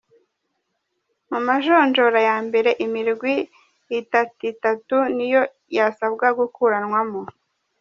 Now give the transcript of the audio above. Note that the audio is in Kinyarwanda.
Mu majonjora ya mbere imigwi itatitatu niyo yasabwa gukuranamwo.